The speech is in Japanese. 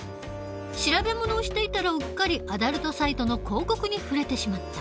調べ物をしていたらうっかりアダルトサイトの広告に触れてしまった。